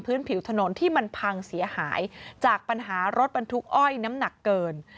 ผิวถนนที่มันพังเสียหายจากปัญหารถบรรทุกอ้อยน้ำหนักเกิน